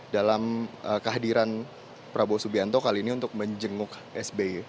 dalam kehadiran prabowo subianto kali ini untuk menjenguk sby